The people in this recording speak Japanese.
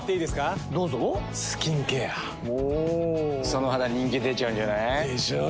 その肌人気出ちゃうんじゃない？でしょう。